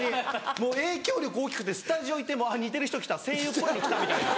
もう影響力大きくてスタジオいても似てる人来た声優っぽいの来たみたいな。